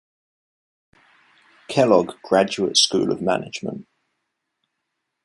Kellogg Graduate School of Management.